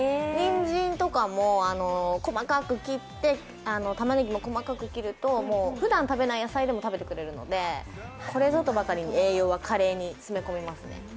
にんじんとかも細かく切ってたまねぎも細かく切るとふだん食べない野菜でも食べてくれるのでこれぞとばかりに栄養はカレーに詰め込みますね。